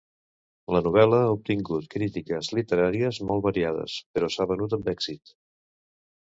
La novel·la ha obtingut crítiques literàries molt variades, però s'ha venut amb èxit.